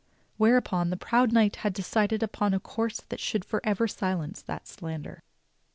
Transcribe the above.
Whereupon the proud knight had decided upon a course that should forever silence that slander.